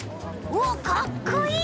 おっかっこいい！